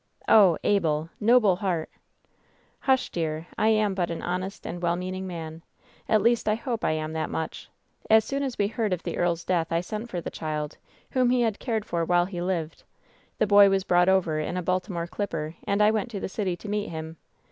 "Oh, Abel ! Noble heart !" "Hush, dear, I am but an honest and well meaning man. At least I hope I am that much. As soon as we heard of the earl's death I sent for the child, whom he had cared for while he lived. The boy was brought over in a Baltimore clipper and I went to the city to meet him.